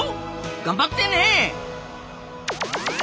頑張ってね！